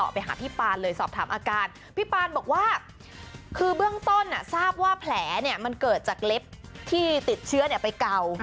พี่ปานบอกว่าคือเบื้องต้นอ่ะทราบว่าแผลเนี่ยมันเกิดจากเล็บที่ติดเชื้อเนี่ยไปเก่า